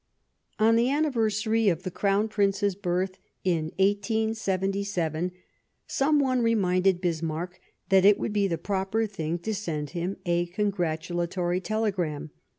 On the anniversary of the Crown Prince's birth, in 1877, some one reminded Bismarck that it would be the proper thing to send him a congratulatory telegram.